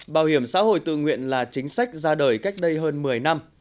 bảo hiểm xã hội tự nguyện là chính sách ra đời cách đây hơn một mươi năm